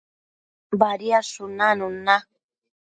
Badiadshun nanun na